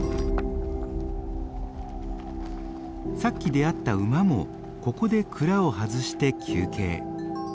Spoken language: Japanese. さっき出会った馬もここで鞍を外して休憩。